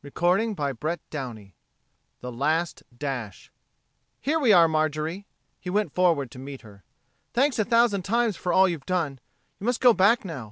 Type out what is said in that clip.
CHAPTER NINETEEN THE LAST DASH "Here we are, Marjorie." He went forward to meet her. "Thanks a thousand times for all you've done. You must go back now.